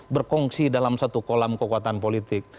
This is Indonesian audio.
berkongsi dalam satu kolam kekuatan politik